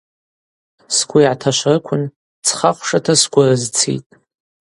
Сгвы йгӏаташварыквын цхахвшата сгвы рызцитӏ.